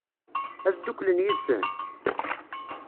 Ad dduklen yid-sen?